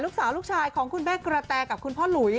ลูกชายของคุณแม่กระแตกับคุณพ่อหลุย